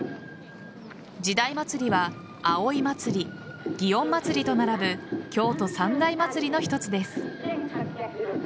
時代祭は葵祭祇園祭と並ぶ京都三大祭の一つです。